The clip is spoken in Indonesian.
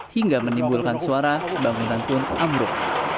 hingga menimbulkan suara bangunan pun ambruk